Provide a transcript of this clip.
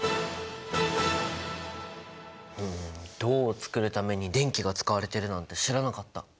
ふん銅を作るために電気が使われてるなんて知らなかった。